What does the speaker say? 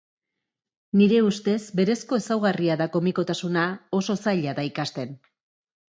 Nire ustez, berezko ezaugarria da komikotasuna, oso zaila da ikasten.